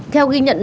theo ghi nhận